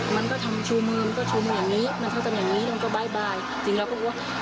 มันเข้าจำอย่างนี้มันก็บ้ายจริงแล้วก็กลัวว่า